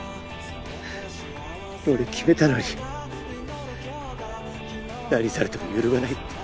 俺決めたのに何されても揺るがないって。